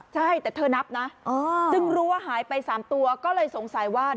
ใช่แต่เธอนับนะจึงรู้ว่าหายไป๓ตัวก็เลยสงสัยว่า